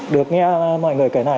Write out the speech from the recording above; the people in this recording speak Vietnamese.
được nghe mọi người kể này